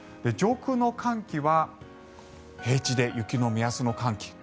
上空の寒気は平地で雪の目安の寒気